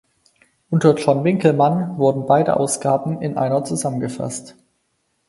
Unter John Winckelmann wurden beide Ausgaben in einer zusammengefasst.